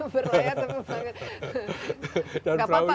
berlayar sampai bangun